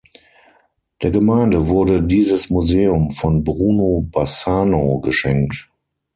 Der Gemeinde wurde dieses Museum von Bruno Bassano geschenkt.